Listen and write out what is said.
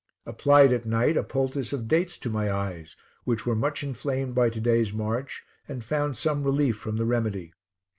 Applied at night a poultice of dates to my eyes, which were much inflamed by today's march, and found some relief from the remedy.